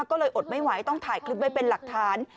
ก็เลยอดไม่ไหวต้องถ่ายคลิปไว้เป็นหลักฐาน